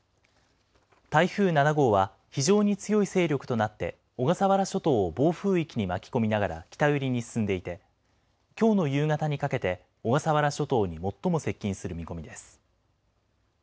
台風７号は非常に強い勢力となって、小笠原諸島を暴風域に巻き込みながら北寄りに進んでいて、きょうの夕方にかけて、小笠原諸島に最も接近する見込みです。